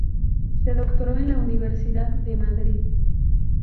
Se doctoró en la Universidad de Madrid.